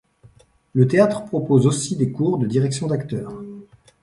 Le théâtre propose aussi des cours de direction d'acteur.